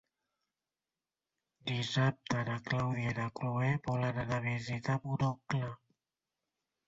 Dissabte na Clàudia i na Cloè volen anar a visitar mon oncle.